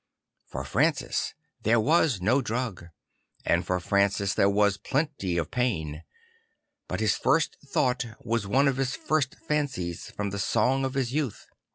For Francis there was no drug; and for Francis there was plenty of pain. But his first thought was one of his first fancies from the songs of his youth.